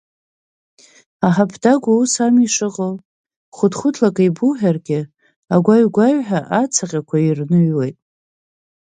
Аҳаԥ дагәа ус ами ишыҟоу, хәыҭхәыҭла акы ааибуҳәаргьы, агәаҩ-гәаҩҳәа ацаҟьақәа ирныҩуеит.